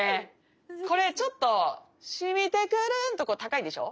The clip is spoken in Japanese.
これちょっと「浸みて来る」のとこ高いでしょ。